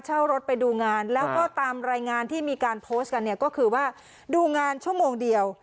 เช่ารถไปดูงานแล้วก็ตามรายงานที่มีการโพสต์กันเนี่ยก็คือว่าดูงานชั่วโมงเดียว